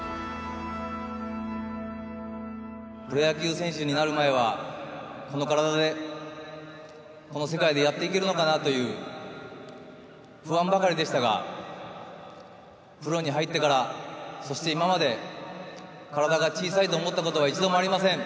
プロ野球選手になる前はこの体でこの世界でやっていけるのかなという不安ばかりでしたがプロに入ってからそして今まで体が小さいと思ったことは一度もありません。